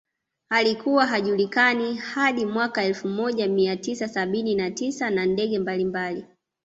Alikuwa hajulikani hadi mwaka elfu moja mia tisa sabini na tisa na ndege mbalimbali